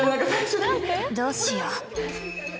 どうしよう。